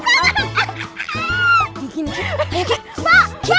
saya terus nyatakanwhite nya masuknya bener makasters